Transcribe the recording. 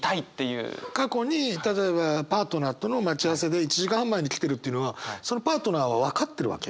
過去に例えばパートナーとの待ち合わせで１時間半前に来てるっていうのはそのパートナーは分かってるわけ？